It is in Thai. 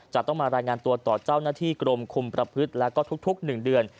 จะต้องมารายงานตัวต่อเจ้าหน้าที่กรมคุมประพฤติและก็ทุก๑เดือน